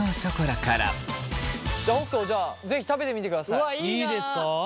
いいですか？